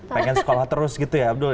pengen sekolah terus gitu ya abdul